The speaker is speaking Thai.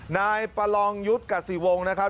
นายประลองยุทธ์กสิวงศ์นะครับ